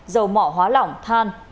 dầu mỏ hóa lỏng than